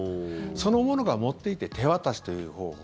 その者が持っていって手渡しという方法。